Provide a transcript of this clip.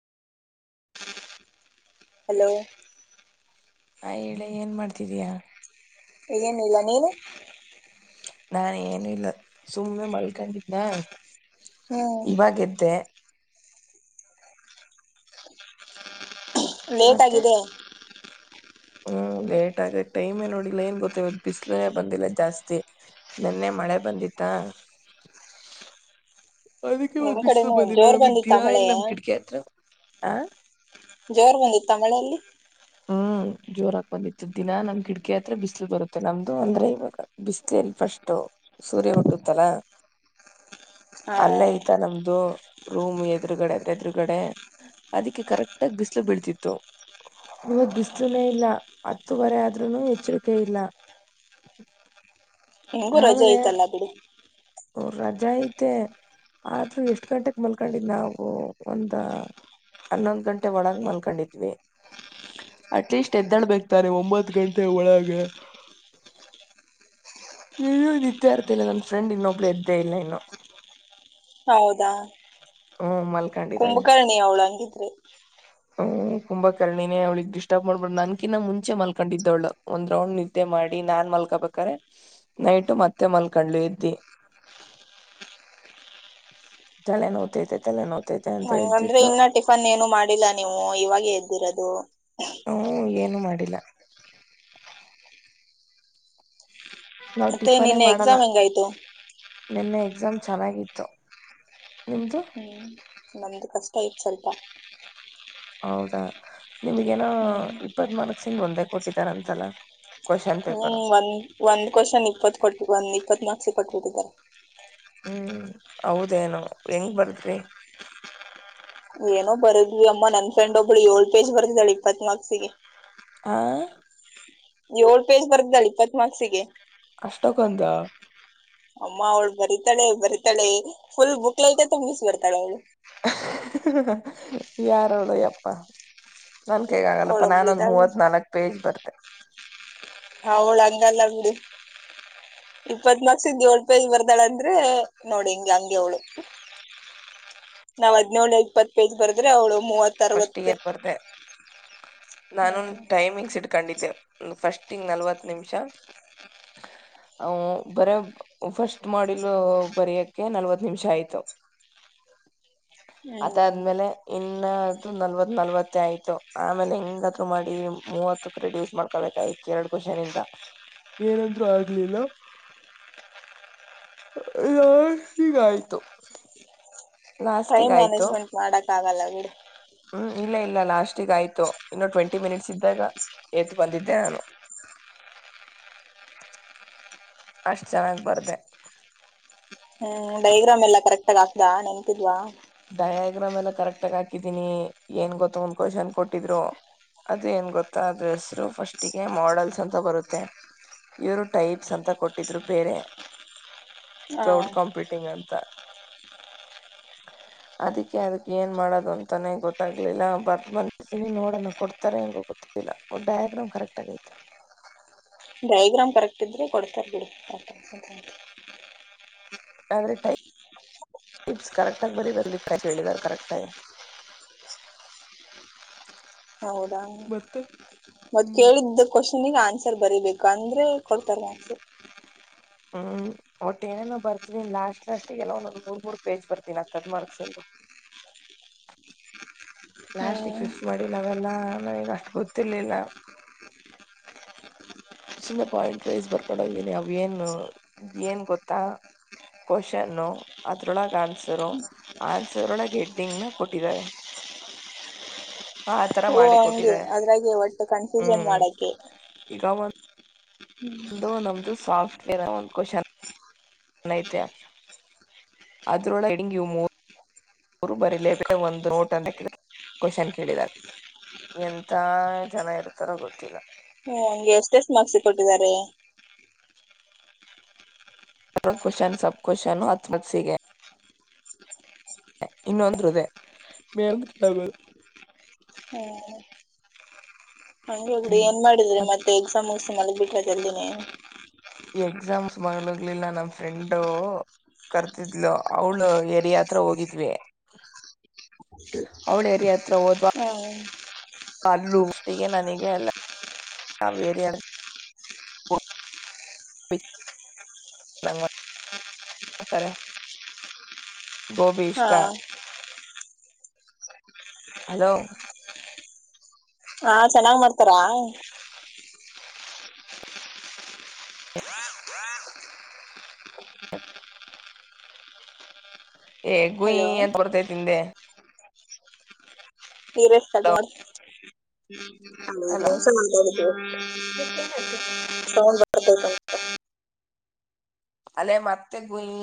Hello ಹ ಹೇಳಿ ಏನ್ ಮಾಡ್ತಿದಯಾ ಏನಿಲ್ಲ ನೀನು ನಾ ಏನು ಇಲ್ಲ ಸುಮ್ನೆ ಮಲ್ಕೊಂಡಿದ್ನ ಹ್ಮ್ ಇವಾಗೆದ್ದೇ ಮತ್ತೆ ಲೇಟಾಗಿದೆ ಹ್ಮ್ ಲೇಟ್ ಆಗ ಟೈಮೇ ನೋಡಿಲ್ಲ ಏನ್ ಗೊತ್ತ ಇವಾಗ ಬಿಸ್ಲೇ ಬಂದಿಲ್ಲ ಜಾಸ್ತಿ ನಿನ್ನೆ ಮಳೆ ಬಂದಿತ್ತ ಅದಕ್ಕೆ ಮತ್ ನಿಮ್ ಬಿಸ್ಲು ಕಡೆನು ಬಂದಿಲ್ಲ ಜೋರ್ ನಮಗ್ ಬಂದಿತ್ತ ದಿನಾ ಮಳೆ ಇಲ್ ನಮ್ ಕಿಟಕಿ ಹತ್ರ. ಆ ಜೋರ್ ಬಂದಿತ್ತ ಮಳೆ ಅಲ್ಲಿ. ಹ್ಮ್ ಜೋರಾಗ್ ಬಂದಿತ್ತು ದಿನಾ ನಮ್ ಕಿಡ್ಕಿ ಹತ್ರ ಬಿಸ್ಲು ಬರುತ್ತೆ ನಮ್ದು ಅಂದ್ರೆ ಇವಾಗ ಬಿಸ್ಲು ಎಲ್ಲಿ ಫಸ್ಟ್ ಸೂರ್ಯ ಹುಟ್ಟುತ್ತಲ ಹ ಅಲ್ಲೇ ಆಯ್ತಾ ನಮ್ದು. ರೂಮ್ ಎದ್ರುಗಡೆ ಅದ್ರ ಎದ್ರುಗಡೆ ಅದಕ್ಕೆ ಕರೆಕ್ಟಗ್ ಬಿಸಿಲು ಬೀಳ್ತಿತ್ತು. ಇವತ್ ಬಿಸ್ಲನೇ ಇಲ್ಲ ಹತ್ತೂವರೆ ಆದ್ರೂನು ಎಚ್ಚರಿಕೆ ಇಲ್ಲ. ಹೆಂಗು ರಜೆ ಐತಲ್ಲ ಬಿಡು. ಹು ರಜಾ ಐತೆ ಆದ್ರೂ ಎಷ್ಟ್ ಗಂಟೆಕ್ ಮಲ್ಕೊಂಡಿದ್ ನಾವು ಒಂದ ಹನ್ನೊಂದ್ ಗಂಟೆ ಒಳಗ್ ಮಲ್ಕೊಂಡಿದ್ವಿ ಅಟ್ಲೀಸ್ಟ್ ಎದ್ದಾಳ್ಬೇಕ್ತಾನೆ ಒಂಬತ್ ಗಂಟೆ ಒಳಗೆ ನೀವ್ ನಿದ್ದೆ ಆರ್ತಿಲ್ಲ ನನ್ ಫ್ರೆಂಡ್ ಇನ್ನೊ ಬ್ಳ ಏದ್ದೇ ಇಲ್ಲ ಇನ್ನು. ಹೌದಾ ಹ್ಮ ಮಲ್ ಕುಂಭಕರ್ಣಿ ಅವ್ಳ ಹಂಗಿದ್ರೆ. ಹ್ಮ ಕುಂಬಕರ್ಣಿನೇ ಅವ್ಳಿಗೆ ಡಿಸ್ಟರ್ಬ್ ಮಾಡ್ಬಾರ್ದ್ ನನ್ಕಿನ್ನ ಮುಂಚೆ ಮಲ್ಕೊಂಡಿದ್ದವಳ ಒಂದ್ ರೌಂಡ್ ನಿದ್ದೆ ಮಾಡಿ ನಾನ್ ಮಲ್ಕಬೇಕಾರೆ ನೈಟ್ ಮತ್ತೆ ಮಲ್ಕೊಂಡ್ಲು ಏದ್ದಿ ತಲೆ ನೋತೈತೆ ತಲೆ ನೋತೈತ್ ಹಂಗಂದ್ರೆ ಇನ್ನ ಟಿಫನ್ ಏನು ಮಾಡಿಲ್ಲ. ನೀವು ಇವಾಗೆ ಎದ್ದಿರೋದು. ಹ್ಮ್ ಏನು ಮಾಡಿಲ್ಲ. ನಾವ್ ಮತ್ತೆ ಟಿಫನೇ ನಿನ್ನೆ ಮಾಡಲ್ಲ ಎಕ್ಸಾಮ್ ಹೆಂಗಾಯ್ತು? ನಿನ್ನೆ ಎಕ್ಸಾಮ್ ಚೆನ್ನಾಗಿತ್ತು ನಿಮ್ದು? ಹ್ಮ್ ನಮ್ದು ಕಷ್ಟ ಇತ್ ಸ್ವಲ್ಪ. ಹೌದಾ ನಿಮಗೇನೋ ಹ್ಮ್ ಇಪ್ಪತ್ ಮಾರ್ಕ್ಸಿಂದ ಒಂದೇ ಕೊಟ್ಟಿದಾರಂತಲ್ಲ ಕ್ವಶನ್ ಹ್ಮ್ ಪೇಪರ್ ಒಂದ್ ಒಂದ್ ಕ್ವಶನ್ ಇಪ್ಪತ್ ಕೊಟ್ ಒಂದ್ ಇಪ್ಪತ್ ಮಾರ್ಕ್ಸಿಗ್ ಪ ಕೊಟ್ಟಿಟ್ಟಾರೆ. ಹ್ಮ್ ಹೌದೇನು ಹೆಂಗ್ ಬರ್ದ್ರಿ? ಏನೋ ಬರದ್ವಿ ಅಮ್ಮ ನನ್ ಫ್ರೆಂಡ್ ಒಬ್ಬಳು ಏಳ್ ಪೇಜ್ ಬರ್ತಿದಾಳೆ ಇಪ್ಪತ್ ಮಾರ್ಕ್ಸಿಗೆ. ಆ ಯೋಳ್ ಪೇಜ್ ಬರ್ದಳ್ ಇಪ್ಪತ್ ಮಾರ್ಕ್ಸಿಗೆ ಅಷ್ಟಕ್ಕೊಂದ ಅಮ್ಮ ಅವಳು ಬರೀತಾಳೆ ಬರಿತಾಳೆ ಫುಲ್ ಬುಕ್ಲೈಟೆ ತುಂಬಿಸ್ ಬರ್ತಾಳ್ ಅವ್ಳು. ಯಾರ ಅವ್ಳು ಯಪ್ಪಾ ನನ್ ಕೈಗ್ ಆಗಲ್ಲಪ್ಪ ಅವಳೊಬ್ಳ ನಾನ್ ಒಂದ್ ಇದಾಗಿ ಮೂವತ್ ನಾಲ್ಕ್ ಪೇಜ್ ಬರ್ದೆ. ಅವಳು ಹಂಗಲ್ಲ ಬಿಡಿ ಇಪ್ಪತ್ ಮಾರ್ಕ್ಸಿಂದ್ ಯೋಳ್ ಪೇಜ್ ಬರ್ದಾಳ ಅಂದ್ರೆ ನೋಡಿ ಹಿಂಗ್ ಹಂಗೆ ಅವ್ಳು. ನಾವ್ ಹದ್ನೇಳು ಇಪ್ಪತ್ತು ಪೇಜ್ ಬರ್ದ್ರೆ ಅವ್ಳು ಫಸ್ಟ್ ಇಯರ್ ಬರ್ದೆ ನಾನು ಹ್ಮ್ ಟೈಮಿಂಗ್ಸ್ ಇಟ್ಕೊಂಡಿದ್ದೆ ಫಸ್ಟ್ ಹಂಗ್ ನಲ್ವತ್ ನಿಮಿಷ ಬರ ಫಸ್ಟ್ ಮಾಡಿಲ್ ಬರಿಯಕ ನಲ್ವತ್ ನಿಮಿಷ ಆಯ್ತು ಅದ ಹ್ಮ್ ಆದ್ಮೇಲೆ ಇನ್ ನ ನಲ್ವತ್ ನಲ್ವತ್ತ ಆಯ್ತು ಆಮೇಲೆ ಹೆಂಗಾದರು ಮಾಡಿ ಮೂವತ್ತಕ್ ರೆಡ್ಯೂಸ್ ಮಾಡ್ಕೋಬೇಕಯ್ತು ಎರಡ್ ಕ್ವನ್ ಇಿಂದ ಏನಾದ್ರು ಆಗ್ಲಿಲ್ಲ ಇ ಈೀಗ ಆಯ್ತು ಲಾಸ್ಟಿಗ್ ಟೈಮ್ ಆಯ್ತು ಮ್ಯಾನೇಜ್ಮೆಂಟ್ ಮಾಡಕ್ ನಾಗಾಲ ಹ್ಮ್ ಇಲ್ಲ ಇಲ್ಲ ಲಾಸ್ಟಗ ಆಯ್ತು ಇನ್ನೊ ಟ್ವೆಂಟಿ ಮಿನಿಟ್ಸ್ ಇದ್ದಾಗ ಎತ್ ಬಂದಿದ್ದೆ ನಾನು ಅಷ್ಟ್ ಚೆನ್ನಾಗ್ ಬರ್್ದ ಹ್ಮ್ ಬೈಗ್ರಾಮ್ ಎಲ್ಲ ಕರೆಕ್ಟ್ ಹಾತಾ ನೆನ್ಂತಿದ್ವಾ ಡಯಾಗ್ರಾಮ್ ಎಲ್ಲ ಕರೆಕ್ಟಗ ಹಾಕಿದೀನಿ ಏನ್ ಗೊತ್ತ ಒಂದ್ ಕ್ವಶನ್ ಕೊಟ್ಟಿದ್ರು ಅದು ಏನ್ ಗೊತ್ತ ಅದ್ರ ಹೆಸರು ಫಸ್ಟಿಗೆ ಮಾಡಲ್ಸ್ ಅಂತ ಬರುತ್ತೆ ಇವರು ಟೈಪ್ಸ್ ಅಂತ ಕೊಟ್ಟಿದ್ರು ಬೇರೆ ಹ ಕ್ಲೌಡ್ ಕಾಂಪ್ಯೂಟಿಂಗ್ ಅಂತ ಹ ಅದಕ್ಕೆ ಅದಕ್ ಏನ್ ಮಾಡೋದು ಅಂತಾನೇ ಗೊತ್ತಾಗ್ಲಿಲ್ಲ ಬರ್ ಬಂದತೀನಿ ನೋಡೋಣ ಕೊಡ್ತಾರೆ ಹೆಂಗೋ ಗೊತ್ತಿಲ್ಲ ಡಯಾಗ್ರಾಮ್ ಕರೆಕ್ಟ್ ಆಗೈ್ತ ಡಯಗ್ರಾಮ್ ಕರೆಕ್ಟ್ ಇದ್ರೆ ಕೊಡ್ತಾರೆ ಬಿಡಿ ಆದ್ರೆ ಟಪ್ ಟೈಪ್ಸ್ ಕರೆಕ್ಟಾಗಿ ಬರಿಯೋದಕ್ಕೆ ಹೇಳಿದಾರ ಕರೆಕ್ಟ ಆಗಿ ಹೌದಾ ಮತ್ತೆ ಮತ್ತ ಹ್ಮ್ ಕೇಳಿದ್ದ ಕೊಶ್ ಸುಮ್ಮನೆ ಆನ್ಸರ್ ಬರಿಬೇಕು ಅಂದ್ರೆ ಕೊಡ್ತಾರೆ ಆನ್ಸರ್ ಹ್ಮ್ ಒಟ್ಟು ಏನೇನೋ ಬರ್ದಿನಿ ಲಾಸ್ಟ್ ಲಾಸ್ಟಿಗೆ ಎಲ್ಲ ಒಂದೊ ಮೂರ್ ಮೂರ್ ಪೇಜ್ ಬರ್ದಿನಿ ಹತ್ತತ್ತ ಮಾರ್ಕಸಿಂದು ಲಾಸ್ಟಿಗೆ ಹ್ಮ್ ಪಿಪ್ ಮಾಡಿ ನಾವೇನ್ ನಾ ನಾ ಈಗ ಅಷ್ಟು ಗೊತ್ತರ್ಲಿಲ್ಲ ಸುಮ್ನೆ ಪಾಯಿಂಟ್ ವೈಸ್ ಬರ್ಕೊಂಡು ಹೋಗನಿ ಏನು ಏನ್ ಗೊತ್ತಾ ಕೋಷನ್ ಅದ್ರೊಳಗ ಆನ್ಸರು ಆನ್ಸರ್ ಒಳಗ ಹೆಡ್ಡಿಂಗ್ ನ ಕೊಟ್ಟಿದ್ದಾರೆ ಆತರ ಓ ಮಾಡಿ ಕೊಟ್ಟಿದ್ದಾರೆ ಅದ್ರಾಗೆ ಒಟ್ಟು ಕನ್ಫ್ಯೂಷನ್ ಮಾಡಕ್ಕೆ ಯಾವನ್ ಒಂದು ನಮ್ದು ಸಾಫ್ಟ್ ಇರೋದು ಒಂದು ಕೋಷನ್ ನೈತ್ಯ ಅದ್ರ ಹೊಳಗೆ ಹೆಡ್ಡಿಂಗ್ ಈ ಮೊರ್ ಅವರು ಬರೀಲೇಬೇಕ ಒಂದು ನೋಟನ್ ಹಾಕಿದರೆ ಕೋಷನ್ ಕೇಳಿದ್ದಾರೆ ಎಂತ ಜನ ಇರ್ತಾರೋ ಗೊತ್ತಿಲ್ಲ ಹ್ಮ ಅವಂಗೆ ಎಷ್ಟ ಎಷ್ಟು ಮಾರ್ಕ್ಸ್ ಗೆ ಕೊಟ್ಟಿದ್ದಾರೆ ಎ ಕ್ವಶನ್ ಸಬ್ ಕ್ವಶನ್ ಹತ್ ಮಾರ್ಕಸಿಗೆ ಇನ್ನೊಂದು ಅಂದ್ರೆ ಅದೆ ಮೇುದು ಹಂಗ ಹೋಗಡಿ ಏನ್ ಮಾಡಿದ್ರ ಮತ್ ಮತ್ತೆ ಎಕ್ಸಾಮ್ ಮುಗೀಸ್ ಮಲಗಿ ಬಿಟ್ಟರಾ ಜಲ್ದಿನೆ ಈ ಎಕ್ಸಾಮ್ಸ್ ಮನೆಗೆ ಹೋಗಲಿಲ್ಲ ನಮ್ ಫ್ರೆಂಡ್ ಕರ್ತಿದ್ಲು ಅವಳ ಏರಿಯಾ ಹತ್ರ ಹೋಗಿದ್ವಿ ಅವಳ ಏರಿಯಾತ್ರ ಹ್ಮ ಅಲ್ಲು ಎಷ್ಟು ನನಗೆ ಎಲ್ಲ ಬೇರೆ ಬಿ ಮಾಡ ಮಾಡತಾರೆ ಗೋಬಿ ಹಾ ಇಷ್ಟ ಹಲೋ ಹಾ ಚೆನ್ನಾಗ್ ಮಾಡ್ತಾರಾ ಏ ಗುಂಯಿ ಹಲೋ ಅಂತ ಬರತೈತೆ ಇಂದೇ ಇರೇ ಕಟ್ ಮಾಡ್ ಅಲ್ಲಿ ಅಲೋ ಮೆನಸಲ್ಲಿ ಮಾತಾಡಿದ್ದು ಸೌಂಡ್ ಬರತೈತಾ ಅಂತ ಅಲೆ ಮತ್ತೆ ಗುಂಯಿ